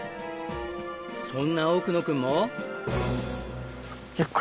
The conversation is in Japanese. そんな奥野君も。